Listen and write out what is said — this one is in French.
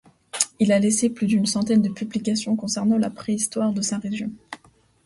Il a laissé plus d'une centaine de publications concernant la Préhistoire de sa région.